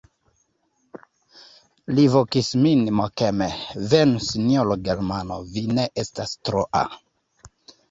Li vokis min mokeme: "Venu, sinjoro Germano, vi ne estas troa."